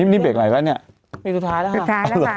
นี่เบรกไหลแล้วเนี่ยเบรกสุดท้ายแล้วค่ะ